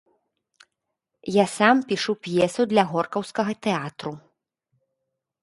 Я сам пішу п'есу для горкаўскага тэатру.